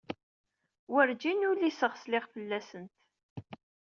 Werǧin uliseɣ sliɣ fell-asent.